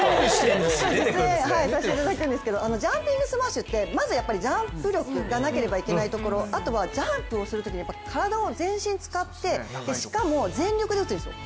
ジャンピングスマッシュってまずジャンプ力がなければいけないところあとはジャンプをするときに体を全身使って、しかも全力で打つんですよ。